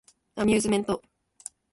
アミューズメント